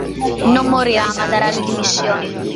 Non morirà, ma darà le dimissioni.